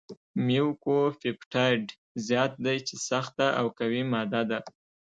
میوکوپپټایډ زیات دی چې سخته او قوي ماده ده.